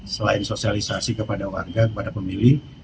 selain sosialisasi kepada warga kepada pemilih